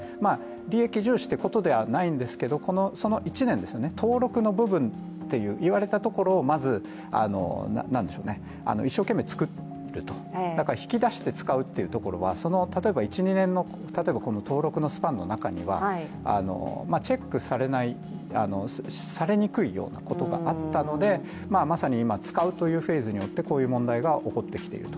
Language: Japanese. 利益重視ということではないんですけどその１年、登録の部分という言われたところをまず、一生懸命作ると、引き出して使うっていうところは、１２年の登録のスパンの中ではチェックされにくいようなことがあったのでまさに今、使うというフェーズによってこういう問題が起きてきていると。